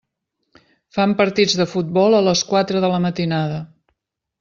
Fan partits de futbol a les quatre de la matinada.